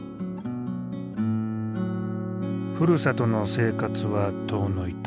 ふるさとの生活は遠のいた。